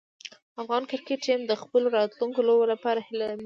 افغان کرکټ ټیم د خپلو راتلونکو لوبو لپاره هیله مند دی.